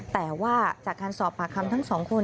แต่ว่าจากการสอบปากคำทั้งสองคน